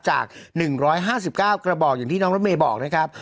จาก๑๕๙กระบอกอย่างที่น้องรถเมย์บอกนะครับ